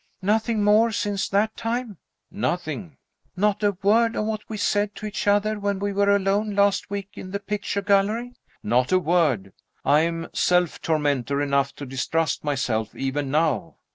"Nothing more, since that time?" "Nothing." "Not a word of what we said to each other when we were alone last week in the picture gallery?" "Not a word. I am self tormentor enough to distrust myself, even now.